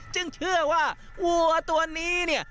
เชื่อว่าวัวตัวนี้เนี่ย